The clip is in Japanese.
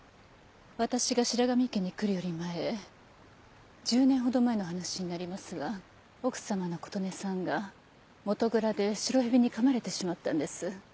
私が白神家に来るより前１０年ほど前の話になりますが奥様の琴音さんが元蔵で白蛇に噛まれてしまったんです。